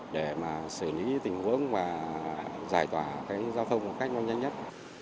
để mà xử lý tình huống và giải tỏa cái giao thông của khách nó nhanh nhất